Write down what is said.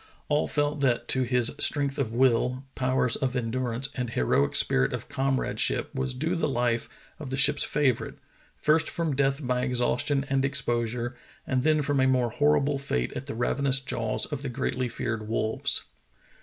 All felt that to his strength of will, powers of endurance, and heroic spirit of comradeship was due the life of the ship's favorite, first from death by exhaustion and exposure and then from a more hor rible fate at the ravenous jaws of the greatly feared wolves.